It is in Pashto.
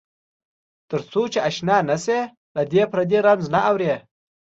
تر څو چې آشنا نه شې له دې پردې رمز نه اورې.